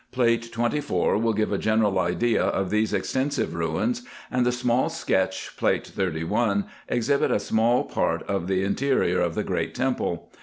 Plate 24 will give a general idea of these extensive ruins ; and the small sketch, Plate SI, exhibits a small part of the interior of the great temple.